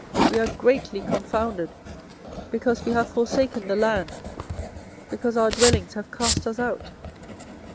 we are greatly confounded, because we have forsaken the land, because our dwellings have cast us out.